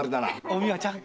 お美和ちゃん。